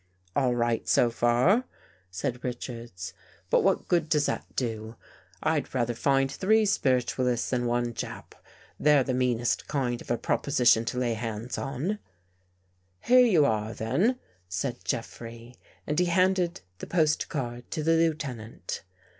" All right so far," said Richards, " but what good does that do? I'd rather find three spiritual ists than one Jap. They're the meanest kind of a proposition to lay hands on." " Here you are, then," said Jeffrey, and he handed the postcard to the Lieutenant.